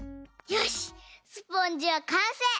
よしスポンジはかんせい！